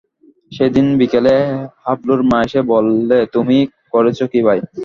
সেইদিন বিকেলে হাবলুর মা এসে বললে, তুমি করেছ কী ভাই?